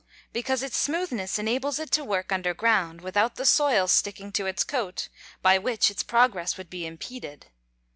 _ Because its smoothness enables it to work under ground without the soil sticking to its coat, by which its progress would be impeded.